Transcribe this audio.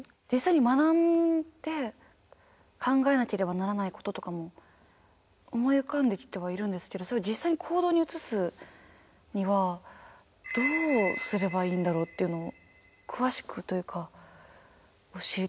実際に学んで考えなければならないこととかも思い浮かんできてはいるんですけど実際に行動に移すにはどうすればいいんだろうっていうのを詳しくというか知りたいなと思います。